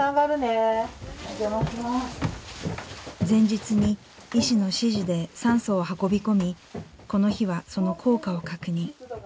前日に医師の指示で酸素を運び込みこの日はその効果を確認。